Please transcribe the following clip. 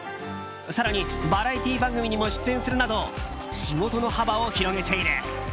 更に、バラエティー番組にも出演するなど仕事の幅を広げている。